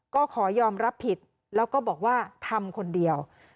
ก็ขอยอมรับผิดแล้วก็บอกว่าทำคนเดียว